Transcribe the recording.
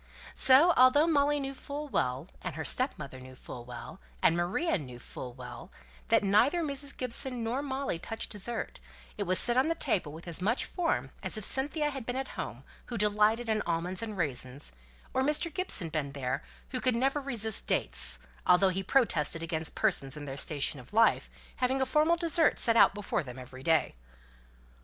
So, although Molly knew full well, and her stepmother knew full well, and Maria knew full well, that neither Mrs. Gibson nor Molly touched dessert, it was set on the table with as much form as if Cynthia had been at home, who delighted in almonds and raisins; or Mr. Gibson been there, who never could resist dates, though he always protested against "persons in their station of life having a formal dessert set out before them every day."